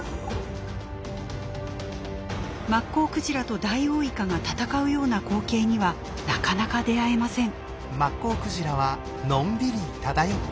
マッコウクジラとダイオウイカが闘うような光景にはなかなか出会えません。